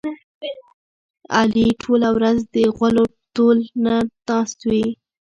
علي ټوله ورځ د غولو تول ته ناست وي.